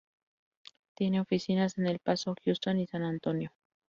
Tiene oficinas en El Paso, Houston y San Antonio.